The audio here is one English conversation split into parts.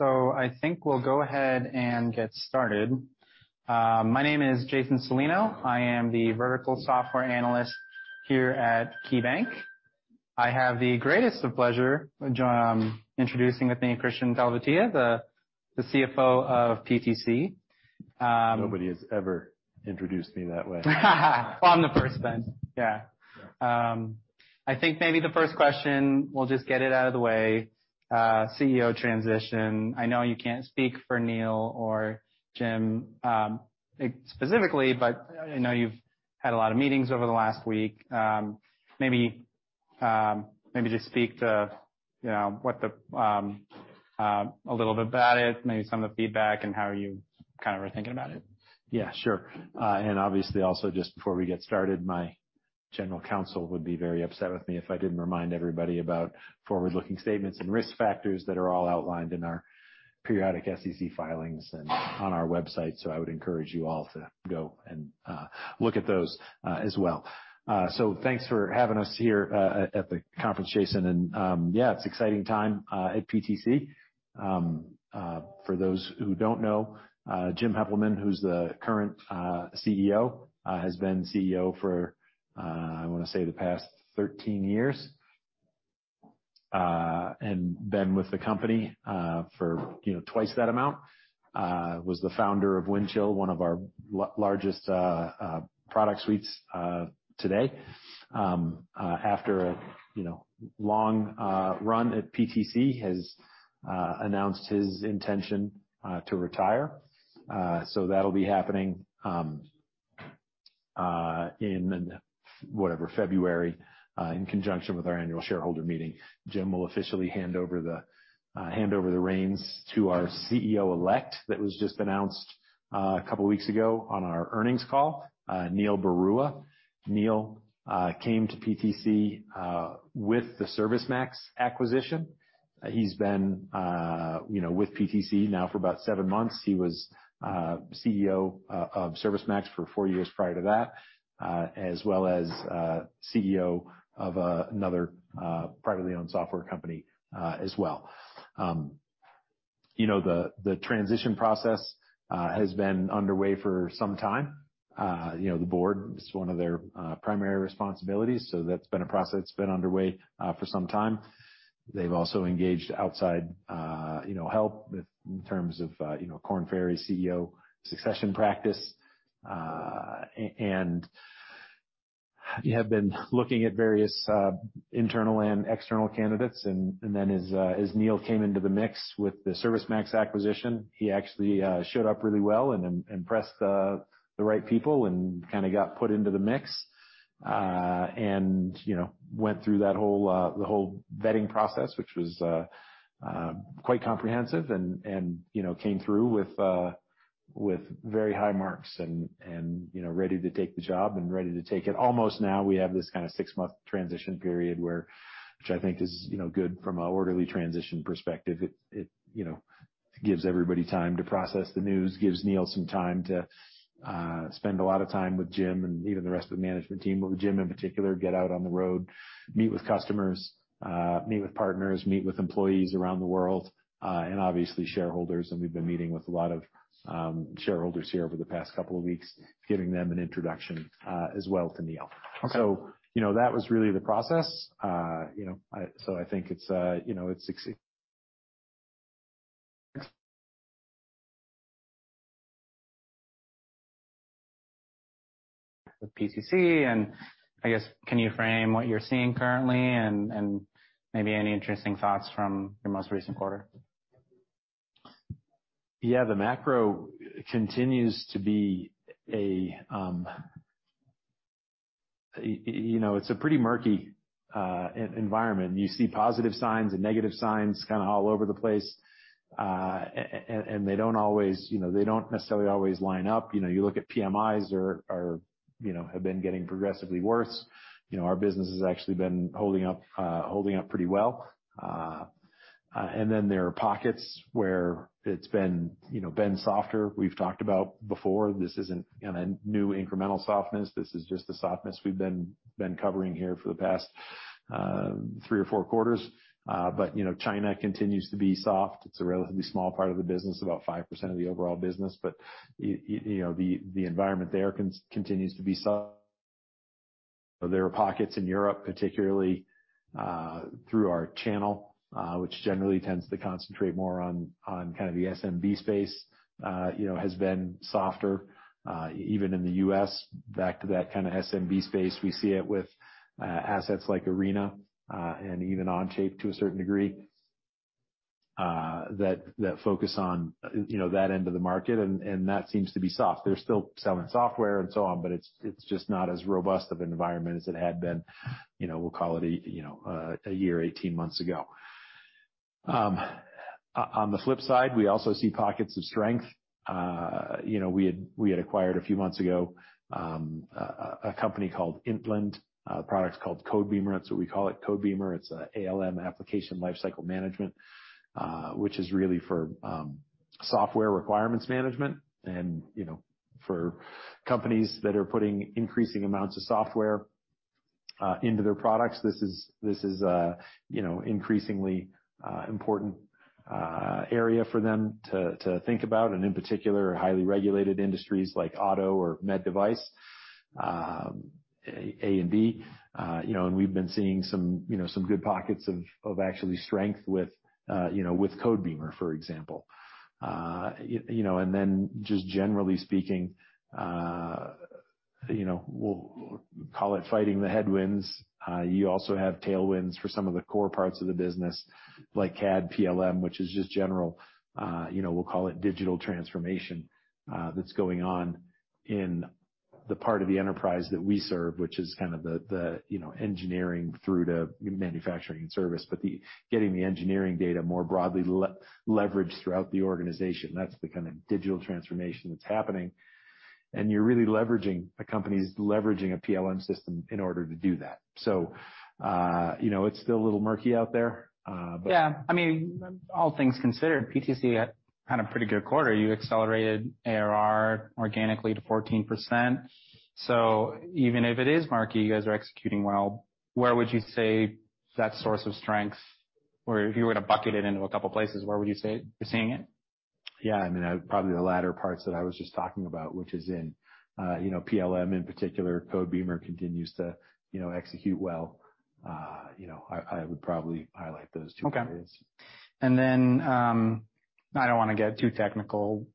I think we'll go ahead and get started. My name is Jason Celino. I am the vertical software analyst here at KeyBanc. I have the greatest of pleasure introducing with me Kristian Talvitie, the, the CFO of PTC. Nobody has ever introduced me that way. I'm the first, then. Yeah. I think maybe the first question; we'll just get it out of the way. CEO transition. I know you can't speak for Neil or Jim, specifically, but I know you've had a lot of meetings over the last week. Maybe, maybe just speak to, you know, what the, a little bit about it, maybe some of the feedback and how you kind of are thinking about it. Yeah, sure. Obviously, also, just before we get started, my general counsel would be very upset with me if I didn't remind everybody about forward-looking statements and risk factors that are all outlined in our periodic SEC filings and on our website. I would encourage you all to go and look at those as well. Thanks for having us here at the conference, Jason, and yeah, it's an exciting time at PTC. For those who don't know, Jim Heppelmann, who's the current CEO, has been CEO for, I want to say, the past 13 years, and been with the company for, you know, twice that amount. Was the founder of Windchill, one of our largest product suites today. After a, you know, long run at PTC, has announced his intention to retire. That'll be happening, in whatever, February, in conjunction with our annual shareholder meeting. Jim will officially hand over the hand over the reins to our CEO-elect. That was just announced, a couple weeks ago on our earnings call, Neil Barua. Neil came to PTC with the ServiceMax acquisition. He's been, you know, with PTC now for about seven months. He was CEO of ServiceMax for four years prior to that, as well as CEO of another privately owned software company, as well. You know, the, the transition process has been underway for some time. You know, the board, it's one of their primary responsibilities, so that's been a process that's been underway for some time. They've also engaged outside, you know, help with, in terms of, you know, Korn Ferry CEO succession practice. And we have been looking at various internal and external candidates, and then as Neil came into the mix with the ServiceMax acquisition, he actually showed up really well and impressed the right people and kind of got put into the mix, and, you know, went through that whole the whole vetting process, which was quite comprehensive and, you know, came through with very high marks and, you know, ready to take the job and ready to take it. Almost now, we have this kind of six-month transition period which I think is, you know, good from an orderly transition perspective. It, it, you know, gives everybody time to process the news, gives Neil some time to spend a lot of time with Jim and even the rest of the management team, but with Jim, in particular, get out on the road, meet with customers, meet with partners, meet with employees around the world, and obviously, shareholders. We've been meeting with a lot of shareholders here over the past couple of weeks, giving them an introduction as well to Neil. Okay. You know, that was really the process. You know, I think it's, you know, it's... With PTC, and I guess, can you frame what you're seeing currently and, and maybe any interesting thoughts from your most recent quarter? Yeah, the macro continues to be, you know, it's a pretty murky environment. You see positive signs and negative signs kind of all over the place, and they don't always, you know, they don't necessarily always line up. You know, you look at PMIs are, are, you know, have been getting progressively worse. You know, our business has actually been holding up pretty well. Then there are pockets where it's been, you know, been softer. We've talked about before; this isn't a new incremental softness. This is just the softness we've been, been covering here for the past three or four quarters. You know, China continues to be soft. It's a relatively small part of the business, about 5% of the overall business, but you know, the environment there continues to be soft. There are pockets in Europe, particularly through our channel, which generally tends to concentrate more on kind of the SMB space, you know, has been softer, even in the US. Back to that kind of SMB space, we see it with assets like Arena, and even Onshape to a certain degree, that focus on, you know, that end of the market, and that seems to be soft. They're still selling software and so on, but it's just not as robust of an environment as it had been, you know, we'll call it a, you know, a year, 18 months ago. On the flip side, we also see pockets of strength. You know, we had, we had acquired a few months ago, a company called Intland, products called Codebeamer. That's what we call it, Codebeamer. It's a ALM, Application Lifecycle Management, which is really for software requirements management and, you know, for companies that are putting increasing amounts of software into their products. This is, this is, you know, increasingly important area for them to think about, and in particular, highly regulated industries like auto or med device, A&D. You know, and we've been seeing some, you know, some good pockets of, of actually strength with, you know, with Codebeamer, for example. You know, and then just generally speaking, you know, we'll call it fighting the headwinds. You also have tailwinds for some of the core parts of the business, like CAD, PLM, which is just general, you know, we'll call it digital transformation that's going on in the part of the enterprise that we serve, which is kind of the, the, you know, engineering through to manufacturing and service. Getting the engineering data more broadly leveraged throughout the organization, that's the kind of digital transformation that's happening. You're really leveraging, a company's leveraging a PLM system in order to do that. You know, it's still a little murky out there, but... Yeah. I mean, all things considered, PTC had, had a pretty good quarter. You accelerated ARR organically to 14%. Even if it is murky, you guys are executing well. Where would you say that source of strength, or if you were to bucket it into a couple of places, where would you say you're seeing it? Yeah, I mean, probably the latter parts that I was just talking about, which is in, you know, PLM in particular, Codebeamer continues to, you know, execute well. You know, I would probably highlight those... [inaudible] Okay. Then, I don't want to get too technical.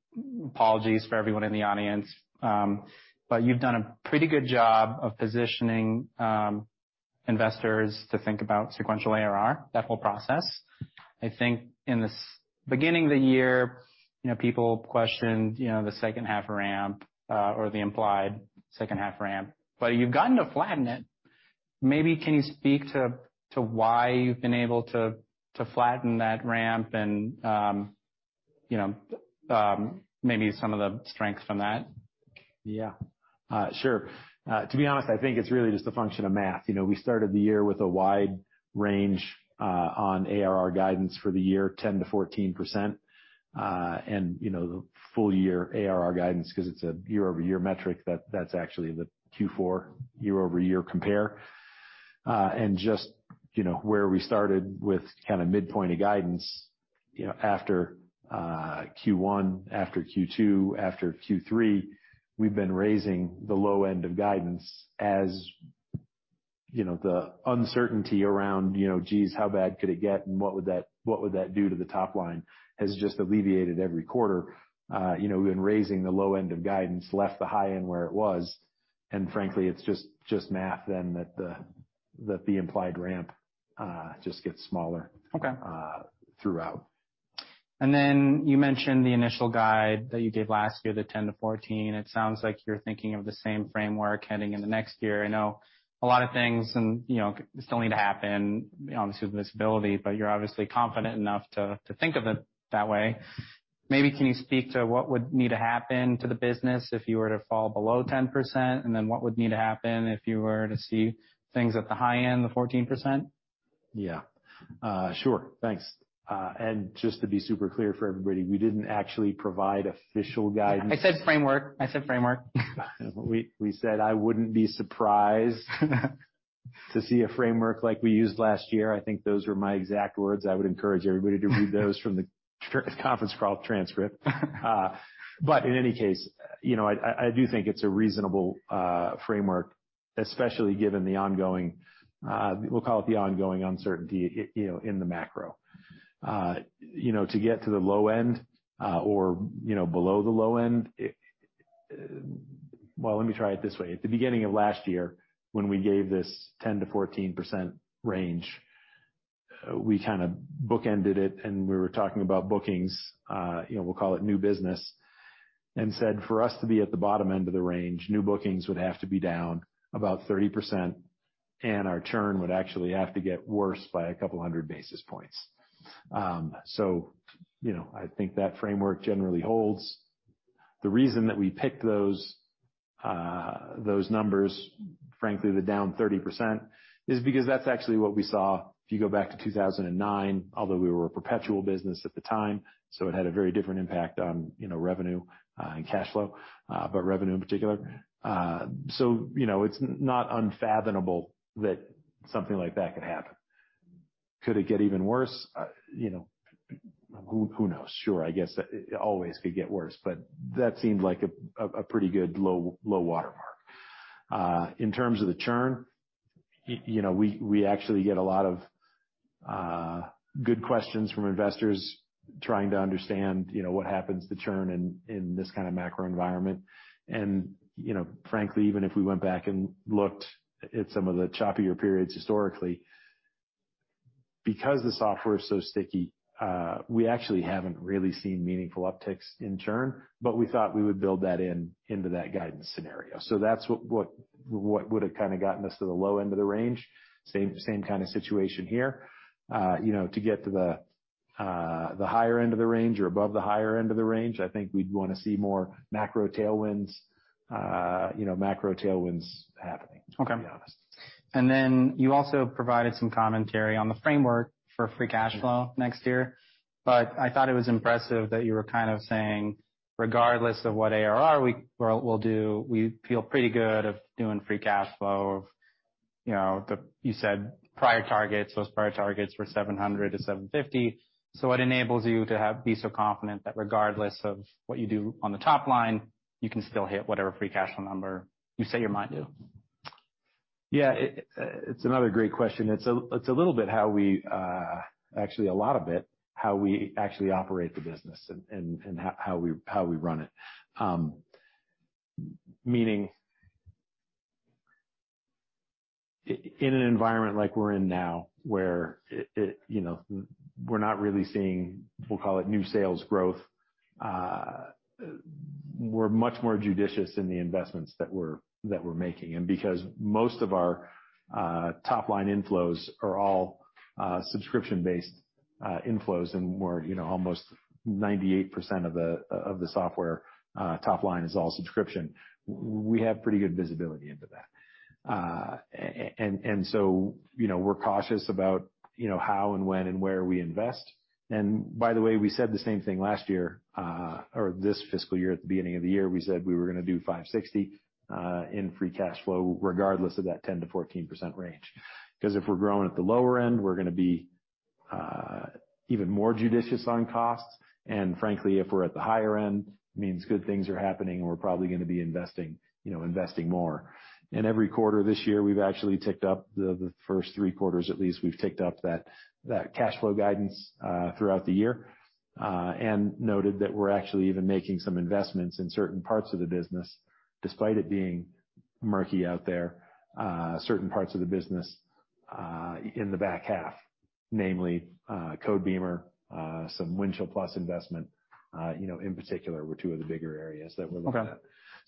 Apologies for everyone in the audience, but you've done a pretty good job of positioning investors to think about sequential ARR, that whole process. I think in the beginning of the year, people questioned the second half ramp, or the implied second half ramp, but you've gotten to flatten it. Maybe can you speak to why you've been able to flatten that ramp and maybe some of the strengths from that? Yeah, sure. To be honest, I think it's really just a function of math. You know, we started the year with a wide range on ARR guidance for the year, 10% to 14%, and you know, the full year ARR guidance, because it's a year-over-year metric, that's actually the fourth quarter year-over-year compare. Just, you know, where we started with kind of mid-point of guidance, you know, after first quarter, after second quarter, after third quarter, we've been raising the low end of guidance as, you know, the uncertainty around, you know, geez, how bad could it get, and what would that, what would that do to the top line, has just alleviated every quarter. You know, we've been raising the low end of guidance, left the high end where it was, frankly, it's just math then, that the implied ramp just gets smaller... Okay. Throughout. Then you mentioned the initial guide that you gave last year, the 10% to 14%. It sounds like you're thinking of the same framework heading in the next year. I know a lot of things and, you know, still need to happen, obviously, with visibility, but you're obviously confident enough to, to think of it that way. Maybe can you speak to what would need to happen to the business if you were to fall below 10%, and then what would need to happen if you were to see things at the high end, the 14%? Yeah. Sure. Thanks. Just to be super clear for everybody, we didn't actually provide official guidance. I said framework. I said framework. We, we said, "I wouldn't be surprised to see a framework like we used last year." I think those were my exact words. I would encourage everybody to read those from the conference call transcript. In any case, you know, I do think it's a reasonable framework, especially given the ongoing, we'll call it the ongoing uncertainty, you know, in the macro. You know, to get to the low end, or, you know, below the low end, it... Well, let me try it this way. At the beginning of last year, when we gave this 10% to 14% range, we kind of bookended it, and we were talking about bookings, you know, we'll call it new business, and said, for us to be at the bottom end of the range, new bookings would have to be down about 30%, and our churn would actually have to get worse by 200 basis points. You know, I think that framework generally holds. The reason that we picked those, those numbers, frankly, the down 30%, is because that's actually what we saw if you go back to 2009, although we were a perpetual business at the time, so it had a very different impact on, you know, revenue, and cash flow, but revenue in particular. You know, it's not unfathomable that something like that could happen. Could it get even worse? You know, who, who knows? Sure, I guess it always could get worse, but that seemed like a pretty good low, low watermark. In terms of the churn, you know, we, we actually get a lot of good questions from investors trying to understand, you know, what happens to churn in, in this kind of macro environment. You know, frankly, even if we went back and looked at some of the choppier periods historically, because the software is so sticky, we actually haven't really seen meaningful upticks in churn, but we thought we would build that in into that guidance scenario. That's what, what, what would have kind of gotten us to the low end of the range. Same, same kind of situation here. You know, to get to the, the higher end of the range or above the higher end of the range, I think we'd want to see more macro tailwinds, you know, macro tailwinds... Okay. To be honest. You also provided some commentary on the framework for free cash flow next year, but I thought it was impressive that you were kind of saying, regardless of what ARR we'll do, we feel pretty good of doing free cash flow. You know, you said prior targets, those prior targets were $700 to 750 million. What enables you to have be so confident that regardless of what you do on the top line, you can still hit whatever free cash flow number you say you might do? Yeah, it's another great question. It's a, it's a little bit how we actually a lot of it, how we actually operate the business and, and, and how, how we, how we run it. Meaning, in an environment like we're in now, where it, you know, we're not really seeing, we'll call it, new sales growth, we're much more judicious in the investments that we're, that we're making. Because most of our top-line inflows are all subscription-based inflows, and we're, you know, almost 98% of the software top line is all subscription, we have pretty good visibility into that. So, you know, we're cautious about, you know, how and when and where we invest. By the way, we said the same thing last year, or this fiscal year, at the beginning of the year, we said we were gonna do $560 in free cash flow, regardless of that 10% to 14% range. 'Cause if we're growing at the lower end, we're gonna be even more judicious on costs. Frankly, if we're at the higher end, means good things are happening, and we're probably gonna be investing, you know, investing more. Every quarter this year, we've actually ticked up the, the first three quarters, at least, we've ticked up that cash flow guidance throughout the year. Noted that we're actually even making some investments in certain parts of the business, despite it being murky out there. Certain parts of the business in the back half, namely, Codebeamer, some Windchill+ investment, you know, in particular, were two of the bigger areas that we're looking at.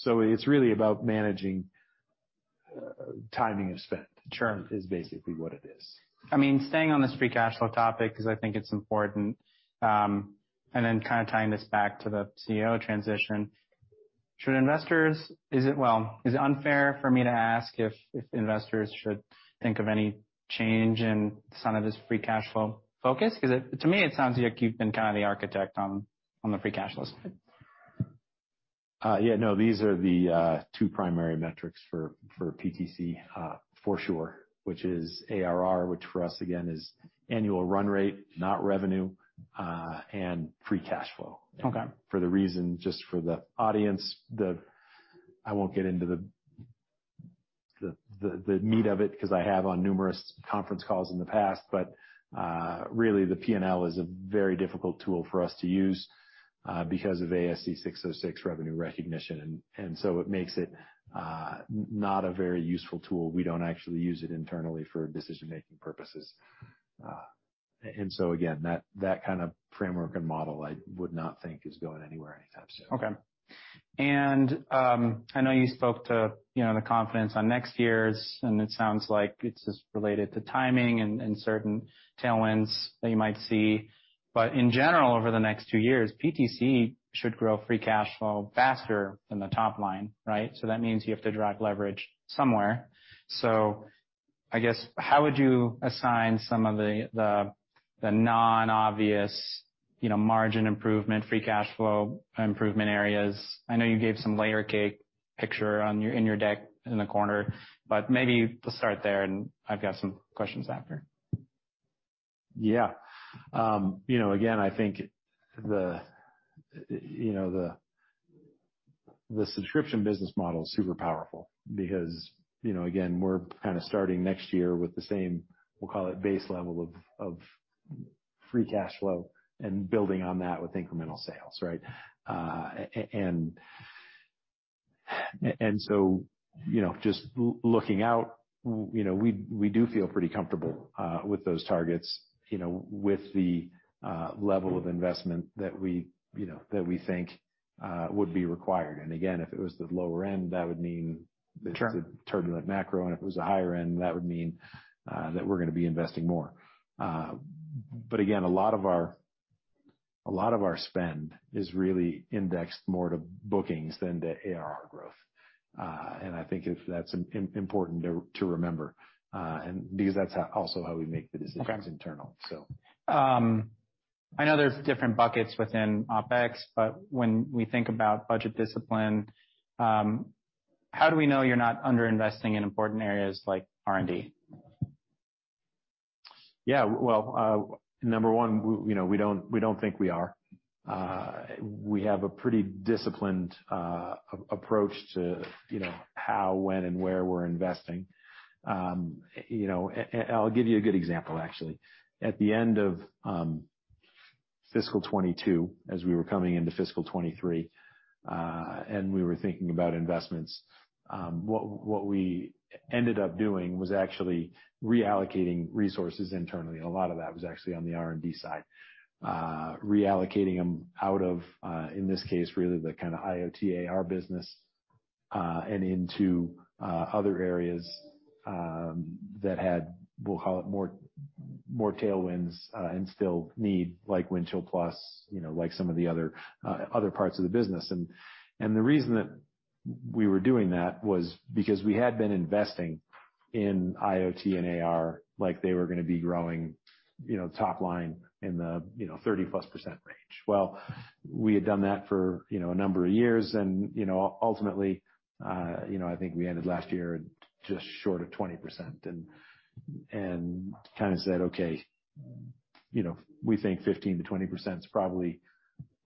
Okay. It's really about managing timing of spend... Sure. Is basically what it is. I mean, staying on this free cash flow topic, 'cause I think it's important, and then kind of tying this back to the CEO transition, should investors. Is it, well, is it unfair for me to ask if, if investors should think of any change in some of this free cash flow focus? 'Cause it, to me, it sounds like you've been kind of the architect on, on the free cash flow side. Yeah, no, these are the two primary metrics for, for PTC, for sure, which is ARR, which for us, again, is annual run rate, not revenue, and free cash flow. Okay. For the reason, just for the audience, I won't get into the, the, the meat of it, 'cause I have on numerous conference calls in the past. Really, the P&L is a very difficult tool for us to use, because of ASC 606 revenue recognition, and so it makes it not a very useful tool. We don't actually use it internally for decision-making purposes. So again, that, that kind of framework and model, I would not think is going anywhere anytime soon. Okay. I know you spoke to, you know, the confidence on next year's, and it sounds like it's just related to timing and certain tailwinds that you might see. In general, over the next two years, PTC should grow free cash flow faster than the top line, right? That means you have to drive leverage somewhere. I guess, how would you assign some of the non-obvious, you know, margin improvement, free cash flow improvement areas? I know you gave some layer cake picture in your deck in the corner, but maybe let's start there, and I've got some questions after. Yeah. You know, again, I think the, you know, the, the subscription business model is super powerful because, you know, again, we're kind of starting next year with the same, we'll call it, base level of, of free cash flow and building on that with incremental sales, right? So, you know, just looking out, you know, we, we do feel pretty comfortable with those targets, you know, with the level of investment that we, you know, that we think would be required. Again, if it was the lower end, that would mean... Sure It's a turbulent macro, and if it was the higher end, that would mean that we're gonna be investing more. Again, a lot of our, a lot of our spend is really indexed more to bookings than to ARR growth. I think that's important to, to remember, and because that's also how we make the decisions... Okay Internal. I know there's different buckets within OpEx, but when we think about budget discipline, how do we know you're not underinvesting in important areas like R&D? Yeah, well, number one, you know, we don't, we don't think we are. We have a pretty disciplined approach to, you know, how, when, and where we're investing. You know, and I'll give you a good example, actually. At the end of fiscal 2022, as we were coming into fiscal 2023, and we were thinking about investments, what, what we ended up doing was actually reallocating resources internally. A lot of that was actually on the R&D side. Reallocating them out of, in this case, really the kind of IoT, AR business, and into other areas that had, we'll call it, more, more tailwinds, and still need, like Windchill+, you know, like some of the other parts of the business. The reason that we were doing that was because we had been investing in IoT and AR like they were gonna be growing, you know, top line in the, you know, 30% plus range. Well, we had done that for, you know, a number of years and, you know, ultimately, you know, I think we ended last year just short of 20% and kind of said: Okay. You know, we think 15% to 20% is probably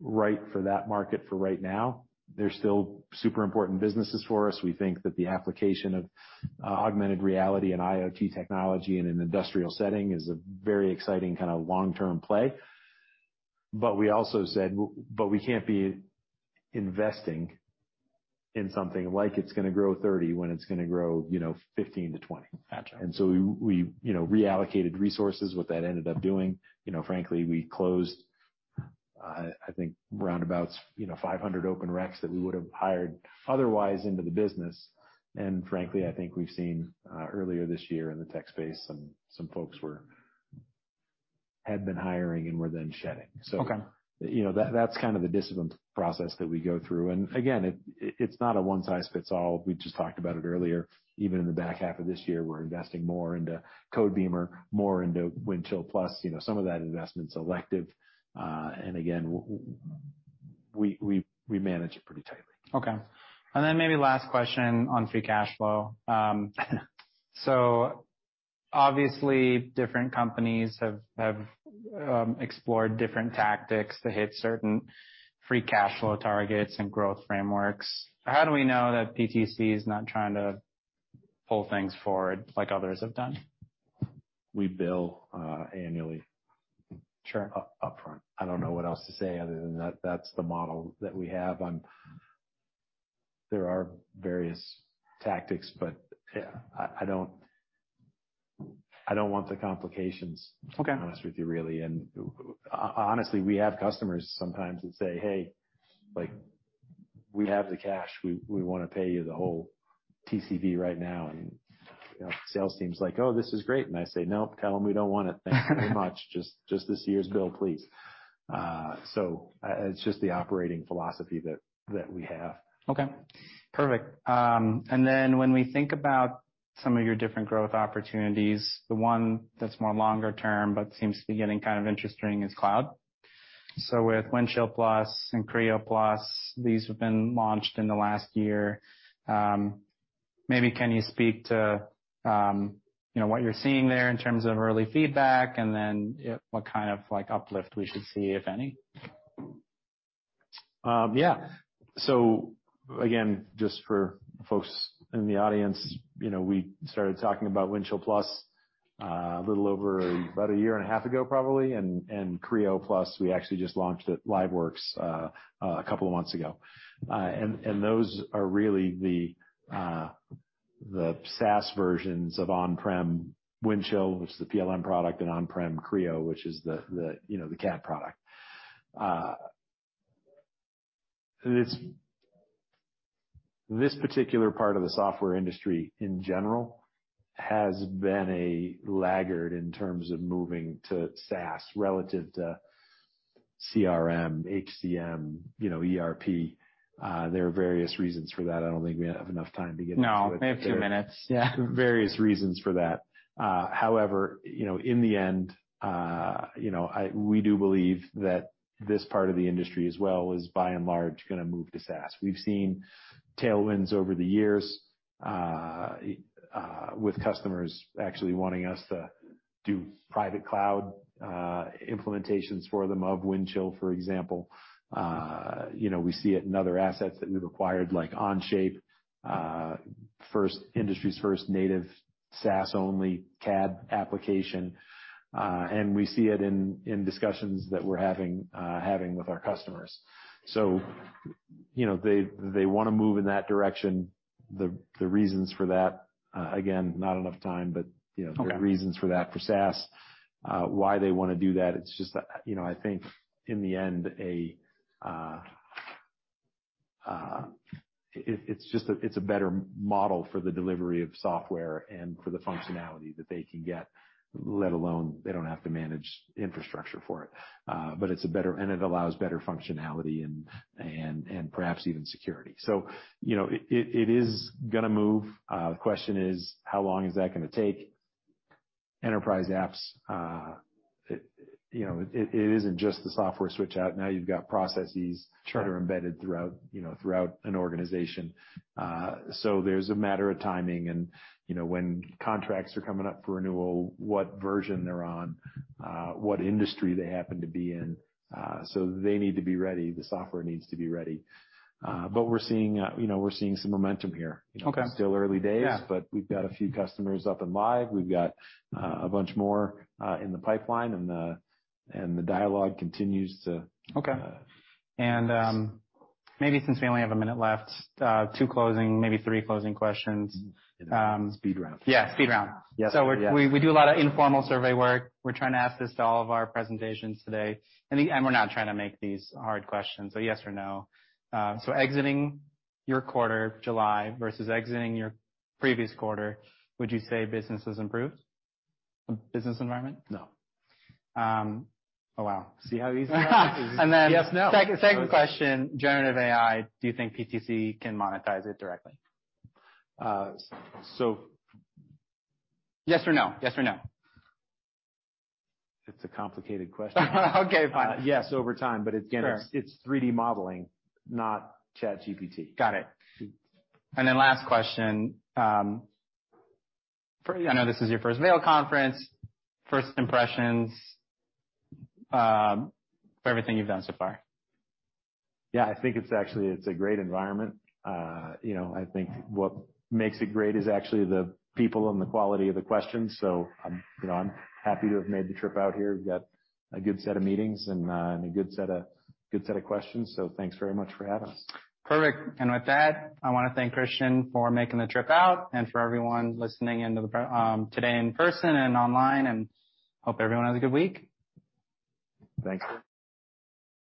right for that market for right now. They're still super important businesses for us. We think that the application of augmented reality and IoT technology in an industrial setting is a very exciting kind of long-term play. We also said, but we can't be investing in something like it's going to grow 30% when it's going to grow, you know, 15% to 20%. Gotcha. We you know, reallocated resources, what that ended up doing. You know, frankly, we closed, I think round about, you know, 500 open recs that we would have hired otherwise into the business. Frankly, I think we've seen, earlier this year in the tech space, some, some folks had been hiring and were then shedding. Okay. You know, that's kind of the discipline process that we go through. Again, it's not a one size fits all. We just talked about it earlier. Even in the back half of this year, we're investing more into Codebeamer, more into Windchill+, you know, some of that investment's selective. Again, we manage it pretty tightly. Okay. Then maybe last question on free cash flow. Obviously, different companies have, have, explored different tactics to hit certain free cash flow targets and growth frameworks. How do we know that PTC is not trying to pull things forward like others have done? We bill annually. Sure. Up, upfront. I don't know what else to say other than that. That's the model that we have. There are various tactics, but, yeah, I don't, I don't want the complications... Okay. To be honest with you, really. Honestly, we have customers sometimes that say, "Hey, like, we have the cash. We, we want to pay you the whole TCV right now." You know, the sales team's like: Oh, this is great! I say, "No, [inaudible] we don't want it. Thank you very much. Just, just this year's bill, please. So, it's just the operating philosophy that, that we have. Okay, perfect. When we think about some of your different growth opportunities, the one that's more longer term, but seems to be getting kind of interesting, is cloud. With Windchill+ and Creo+, these have been launched in the last year. Maybe can you speak to, you know, what you're seeing there in terms of early feedback, and then, what kind of, like, uplift we should see, if any? Yeah. Again, just for folks in the audience, you know, we started talking about Windchill Plus a little over about a year and a half ago, probably. Creo Plus, we actually just launched it at LiveWorx a couple of months ago. Those are really the SaaS versions of on-prem Windchill, which is the PLM product, and on-prem Creo, which is, you know, the CAD product. This particular part of the software industry, in general, has been a laggard in terms of moving to SaaS relative to CRM, HCM, you know, ERP. There are various reasons for that. I don't think we have enough time to get into it. No, we have two minutes. Yeah. Various reasons for that. However, you know, in the end, you know, we do believe that this part of the industry as well is by and large, going to move to SaaS. We've seen tailwinds over the years, with customers actually wanting us to do private cloud, implementations for them of Windchill, for example. You know, we see it in other assets that we've acquired, like Onshape, first, industry's first native SaaS-only CAD application, and we see it in, in discussions that we're having, having with our customers. You know, they, they want to move in that direction. The reasons for that, again, not enough time, but you know. Okay. The reasons for that, for SaaS, why they want to do that, it's just that, you know, I think in the end, it's a better model for the delivery of software and for the functionality that they can get, let alone, they don't have to manage infrastructure for it. It's a better and it allows better functionality and, and, and perhaps even security. You know, it is going to move. The question is, how long is that going to take? Enterprise apps, you know, it isn't just the software switch out. Now you've got processes... Sure That are embedded throughout, you know, throughout an organization. There's a matter of timing and, you know, when contracts are coming up for renewal, what version they're on, what industry they happen to be in. They need to be ready; the software needs to be ready. We're seeing, you know, we're seeing some momentum here. Okay. It's still early days. Yeah. We've got a few customers up and live. We've got a bunch more in the pipeline, and the dialogue continues to... Okay. Uh. Maybe since we only have a minute left, two closing, maybe three closing questions. Speed round. Yeah, speed round. Yes. Yes. We, we do a lot of informal survey work. We're trying to ask this to all of our presentations today, and, and we're not trying to make these hard questions, so yes or no. Exiting your quarter, July, versus exiting your previous quarter, would you say business has improved? The business environment. No. Oh, wow! See how easy that was? Yes and no. Second, second question, generative AI, do you think PTC can monetize it directly? Uh, so... Yes or no? Yes or no. It's a complicated question. Okay, fine. Yes, over time, but again... Sure. It's 3D modeling, not ChatGPT. Got it. And then last question, I know this is your first mail conference, first impressions, for everything you've done so far? Yeah, I think it's actually, it's a great environment. You know, I think what makes it great is actually the people and the quality of the questions. I'm, you know, I'm happy to have made the trip out here. We've got a good set of meetings and a good set of, good set of questions. Thanks very much for having us. Perfect. With that, I want to thank Kristian for making the trip out, and for everyone listening in today in person and online, and hope everyone has a good week. Thank you.